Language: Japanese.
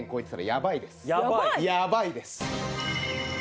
やばいです。